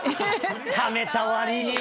ためたわりには。